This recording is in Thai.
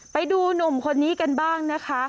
ไปดูหนุ่มคนนี้กันบ้างนะคะ